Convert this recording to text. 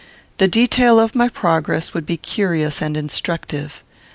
The detail of my progress would be curious and instructive.